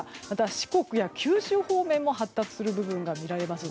四国や九州方面も発達する部分が見られます。